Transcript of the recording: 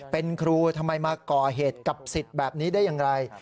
เป็นครูทำไมมาก่อเหตุกับสิทธิ์แบบนี้ได้อย่างไร